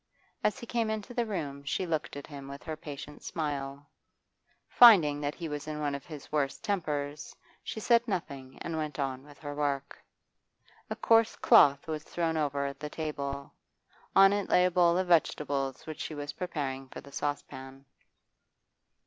As he came into the room she looked at him with her patient smile; finding that he was in one of his worst tempers, she said nothing and went on with her work. A coarse cloth was thrown over the table; on it lay a bowl of vegetables which she was preparing for the saucepan.